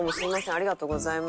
ありがとうございます。